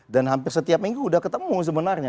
dan hampir setiap minggu udah ketemu sebenarnya